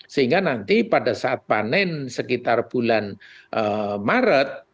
sehingga nanti pada saat panen sekitar bulan maret